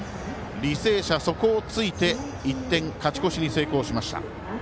履正社、そこをついて１点勝ち越しに成功しました。